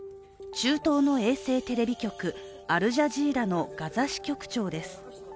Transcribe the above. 中東の衛星テレビ局アルジャジーラのガザ支局長です。